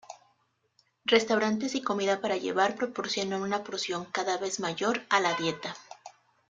Restaurantes y comida para llevar, proporcionan una porción cada vez mayor a la dieta.